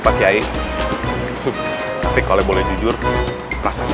pakai tapi kalau boleh jujur rasa saya